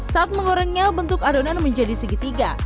saat menggorengnya bentuk adonan menjadi segitiga